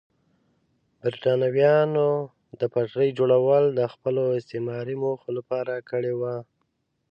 برېټانویانو د پټلۍ جوړول د خپلو استعماري موخو لپاره کړي وو.